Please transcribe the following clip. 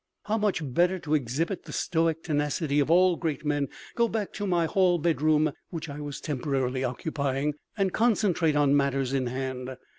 How much better to exhibit the stoic tenacity of all great men, go back to my hall bedroom (which I was temporarily occupying) and concentrate on matters in hand.